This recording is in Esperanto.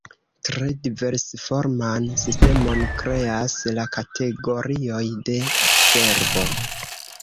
Tre diversforman sistemon kreas la kategorioj de verbo.